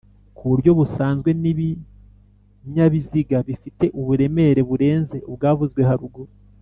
ku buryo busanzwe n ibinyabiziga bifite uburemere burenze ubwavuzwe haruguru